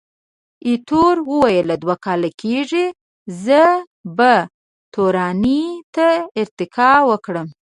ایټور وویل، دوه کاله کېږي، زه به تورنۍ ته ارتقا وکړم.